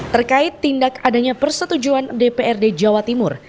terkait tindak adanya persetujuan dprd jawa timur